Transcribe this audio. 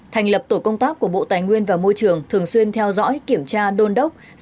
thành lập tổ công tác của bộ tài nguyên và môi trường thường xuyên theo dõi kiểm tra đôn đốc